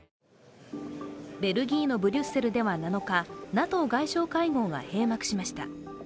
ベルギーのブリュッセルでは７日ＮＡＴＯ外相会合が閉幕しました。